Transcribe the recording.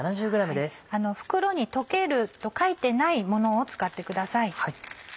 袋に「溶ける」と書いてないものを使ってください。